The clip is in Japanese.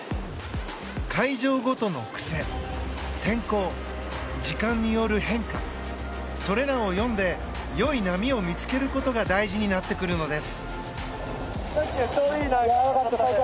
会場ごとの癖、天候時間による変化、それらを読んで良い波を見つけることが大事になってくるのです。